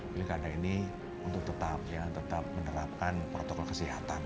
pilih kandang ini untuk tetap menerapkan protokol kesehatan